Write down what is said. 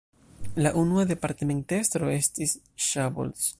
La unua departementestro estis "Szabolcs".